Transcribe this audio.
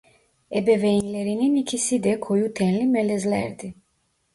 Ebeveynlerinin ikisi de koyu tenli melezlerdi.